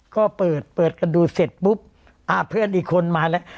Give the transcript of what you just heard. ก็เปิดเปิดกันดูเสร็จปุ๊บอ่าเพื่อนอีกคนมาแล้ว